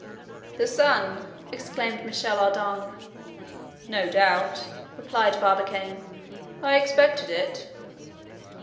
"The sun!" exclaimed Michel Ardan. "No doubt," replied Barbicane; "I expected it."